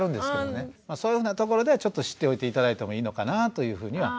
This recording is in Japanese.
そういうふうなところではちょっと知っておいて頂いてもいいのかなというふうには。